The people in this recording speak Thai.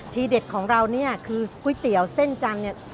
เด็ดของเราเนี่ยคือก๋วยเตี๋ยวเส้นจันทร์เนี่ย